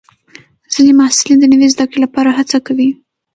ځینې محصلین د نوي زده کړې لپاره هڅه کوي.